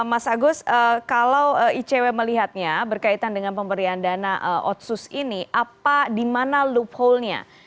mas agus kalau icw melihatnya berkaitan dengan pemberian dana otsus ini apa di mana loophole nya